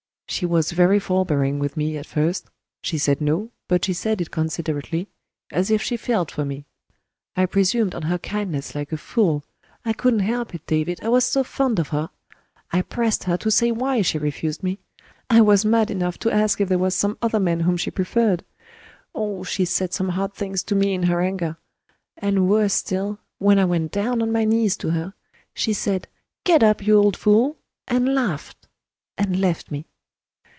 She was very forbearing with me at first; she said No, but she said it considerately, as if she felt for me. I presumed on her kindness, like a fool; I couldn't help it, David, I was so fond of her. I pressed her to say why she refused me. I was mad enough to ask if there was some other man whom she preferred. Oh, she said some hard things to me in her anger! And, worse still, when I went down on my knees to her, she said, 'Get up, you old fool!' and laughed and left me.